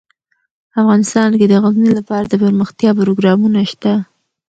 افغانستان کې د غزني لپاره دپرمختیا پروګرامونه شته.